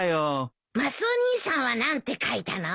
マスオ兄さんは何て書いたの？